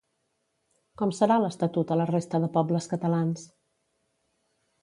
Com serà l'estatut a la resta de pobles catalans?